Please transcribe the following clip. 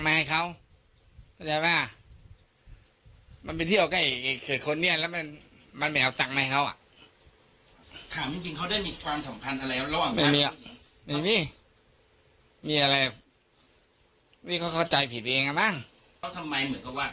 แล้วทำไมเหมือนว่าพระพยายามตามให้วิทย์กลับไปด้วย